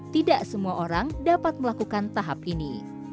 tidak semua orang dapat melakukan tahap ini